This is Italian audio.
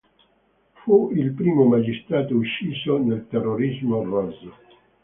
Fu il primo magistrato ucciso dal terrorismo rosso.